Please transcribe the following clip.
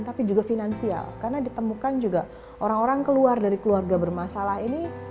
tapi juga finansial karena ditemukan juga orang orang keluar dari keluarga bermasalah ini